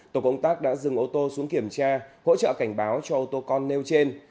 tổ công tác đã dừng ô tô xuống kiểm tra hỗ trợ cảnh báo cho ô tô con nêu trên